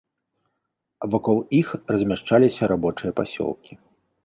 Вакол іх размяшчаліся рабочыя пасёлкі.